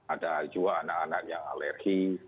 ada juga anak anak yang alergi